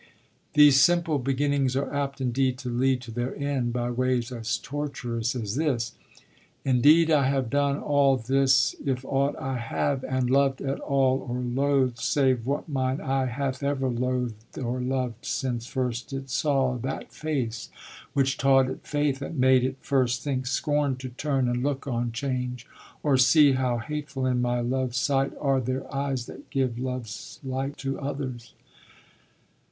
These simple beginnings are apt indeed to lead to their end by ways as tortuous as this: Indeed I have done all this if aught I have, And loved at all or loathed, save what mine eye Hath ever loathed or loved since first it saw That face which taught it faith and made it first Think scorn to turn and look on change, or see How hateful in my love's sight are their eyes That give love's light to others.